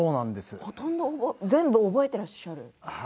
ほとんど全部覚えていらっしゃる。